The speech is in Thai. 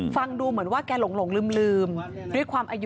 ฟังดูเหมือนว่าแกหลงลืมด้วยความอายุ